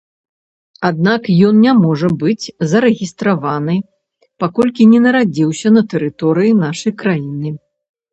Аднак ён не можа быць зарэгістраваны, паколькі не нарадзіўся на тэрыторыі нашай краіны.